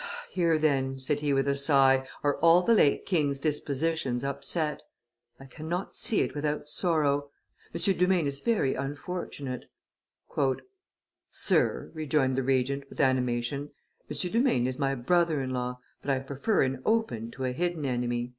"Here, then," said he with a sigh, "are all the late king's dispositions upset; I cannot see it without sorrow. M. du Maine is very unfortunate." "Sir," rejoined the Regent, with animation, "M. du Maine is my brother in law, but I prefer an open to a hidden enemy."